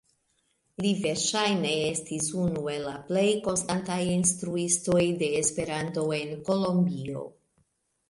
Li verŝajne estis unu el la plej konstantaj instruistoj de Esperanto en Kolombio.